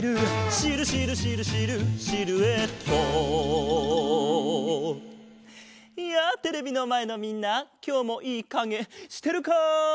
「シルシルシルシルシルエット」やあテレビのまえのみんなきょうもいいかげしてるか？